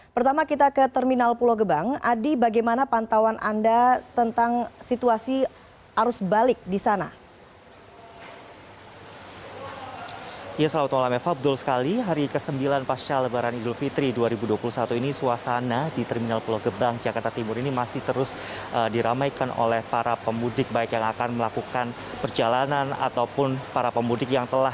pertama kita ke terminal pulau gebang adi bagaimana pantauan anda tentang situasi arus balik di sana